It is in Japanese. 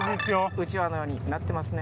うちわのようになってますね。